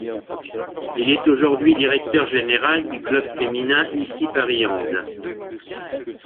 Il est aujourd'hui directeur général du club féminin Issy Paris Hand.